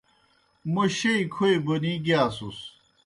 موْ شیئی کھوئی بونی گِیاسُس۔